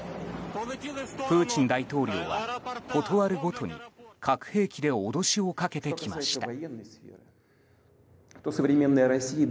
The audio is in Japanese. プーチン大統領は事あるごとに核兵器で脅しをかけてきました。